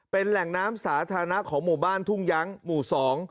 เป็นแหล่งน้ำสาธารณะของหมู่บ้านทุ่งยั้งหมู่สอง